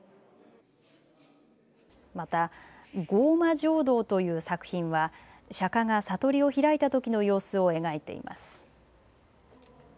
また降魔成道という作品は釈迦が悟りを開いたときの様子を描いています。